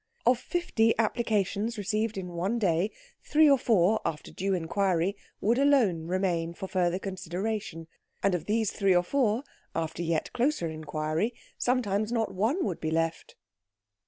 Of fifty applications received in one day, three or four, after due inquiry, would alone remain for further consideration; and of these three or four, after yet closer inquiry, sometimes not one would be left.